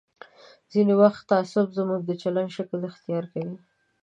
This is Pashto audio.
ځینې وخت تعصب زموږ د چلند شکل اختیار کوي.